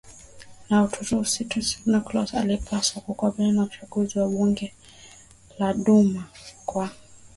ya Urusi Tsar Nikolas alipaswa kukubali uchaguzi wa bunge la duma kwa